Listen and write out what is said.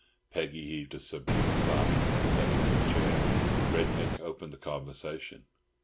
Peggy heaved a subdued sigh and settled in a chair. Red Mick opened the conversation.